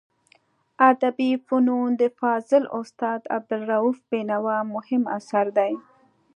ادبي فنون د فاضل استاد عبدالروف بینوا مهم اثر دی.